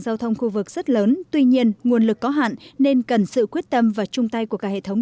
giao thông khu vực rất lớn tuy nhiên nguồn lực có hạn nên cần sự quyết tâm và chung tay của cả hệ thống